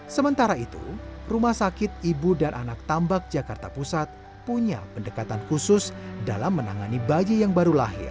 sementara itu rumah sakit ibu dan anak tambak jakarta pusat punya pendekatan khusus dalam menangani bayi yang baru lahir